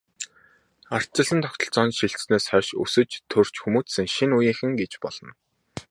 Ардчилсан тогтолцоонд шилжсэнээс хойш өсөж, төрж хүмүүжсэн шинэ үеийнхэн гэж болно.